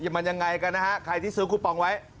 มันยังไงกันนะฮะใครที่ซื้อคูปองไว้